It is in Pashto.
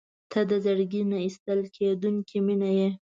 • ته د زړګي نه ایستل کېدونکې مینه یې.